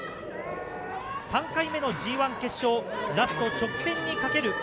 ３回目のＧＩ決勝、ラスト直線にかける。